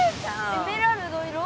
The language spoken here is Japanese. エメラルド色？